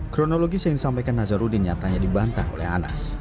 kronologis yang disampaikan nazarudin nyatanya dibantah oleh anas